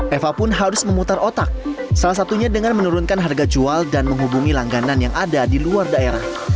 eva pun harus memutar otak salah satunya dengan menurunkan harga jual dan menghubungi langganan yang ada di luar daerah